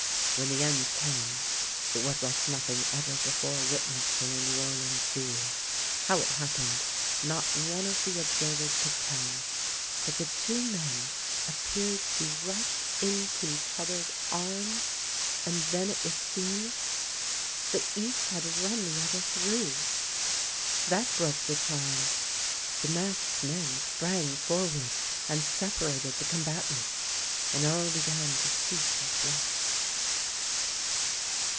When the end came it was like nothing ever before witnessed in a New Orleans duel. How it happened not one of the observers could tell; but the two men appeared to rush into each other's arms, and then it was seen that each had run the other through. That broke the charm. The masked men sprang forward and separated the combatants, and all began to speak at once.